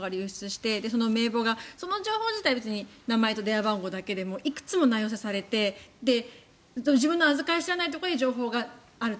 その名簿が、その情報自体名前と電話番号だけでもいくつも内包されて自分のあずかり知らないところで情報があると。